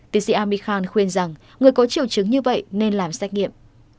tiến sĩ ami khan khuyên rằng người có triệu chứng như vậy nên làm xét nghiệm